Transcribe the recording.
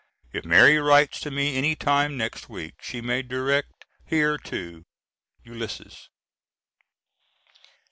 If Mary writes to me any time next week she may direct here to ULYSSES.